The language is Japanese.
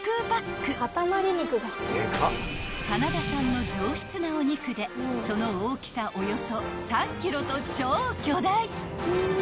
［カナダ産の上質なお肉でその大きさおよそ３ｋｇと超巨大］